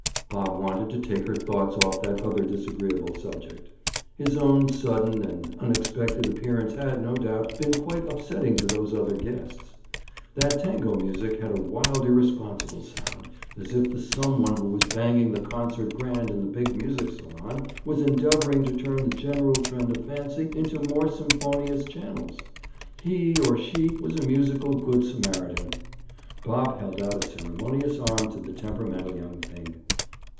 Bob wanted to take her thoughts off that other disagreeable subject. His own sudden and unexpected appearance had, no doubt, been quite upsetting to those other guests. That tango music had a wild irresponsible sound, as if the some one who was banging the concert grand in the big music salon was endeavoring to turn the general trend of fancy into more symphonious channels. He, or she, was a musical good Samaritan. Bob held out a ceremonious arm to the temperamental young thing.